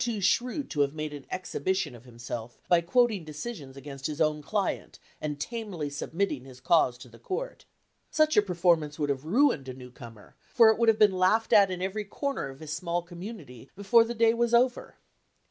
78 FIRST PARTNERSHIP shrewd to have made an exhibition of himself by quoting decisions against his own client, and tamely submitting his cause to the court. Such a performance would have ruined a newcomer, for it would have been laughed at in every corner of his small community before the dav was over.